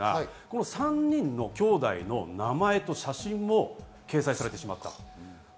３人のきょうだいの名前と写真も掲載されてしまいました。